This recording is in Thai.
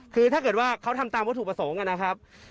คือถ้าเกิดว่าเขาทำตามวัตถุประสงค์นะครับ